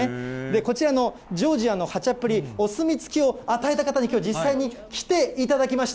こちらのジョージアのハチャプリ、お墨付きを与えた方に、きょう、実際に来ていただきました。